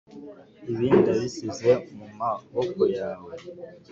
ibi ndabisize mumaboko yawe.